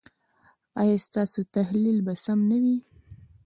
ایا ستاسو تحلیل به سم نه وي؟